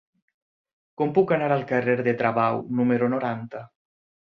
Com puc anar al carrer de Travau número noranta?